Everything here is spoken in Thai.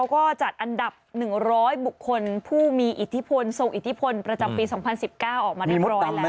ก็จัดอันดับ๑๐๐บุคคลผู้มีอิทธิพลทรงอิทธิพลประจำปี๒๐๑๙ออกมาเรียบร้อยแล้ว